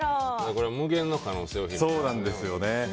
これ無限の可能性を秘めてます。